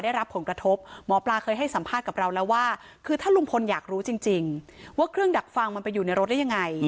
ได้รับผลกระทบหมอปลาเคยให้สัมภาษณ์กับเราแล้วว่าคือถ้าลุงพลอยากรู้จริงว่าเครื่องดักฟังมันไปอยู่ในรถได้ยังไง